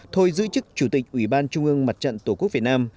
thôi giữ chức chủ tịch ủy ban trung ương mặt trận tổ quốc việt nam